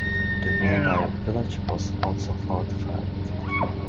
The nearby village was also fortified.